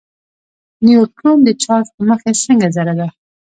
نیوټرون د چارچ له مخې څنګه ذره ده.